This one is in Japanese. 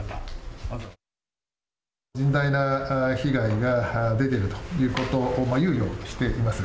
甚大な被害が出ているということを憂慮しています。